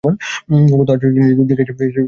কত আশ্চর্য জিনিস সে দেখিয়াছে এই কয়দিনে!